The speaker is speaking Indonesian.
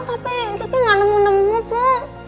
tapi kiki gak nemu nemu bu